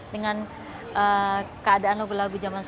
dengan keadaan lagu lagu zaman itu ya